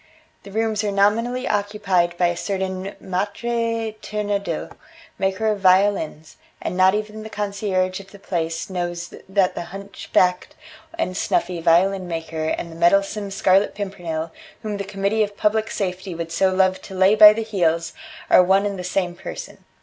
"The rooms are nominally occupied by a certain Maitre Turandot, maker of violins, and not even the concierge of the place knows that the hunchbacked and snuffy violin maker and the meddlesome Scarlet Pimpernel, whom the Committee of Public Safety would so love to lay by the heels, are one and the same person.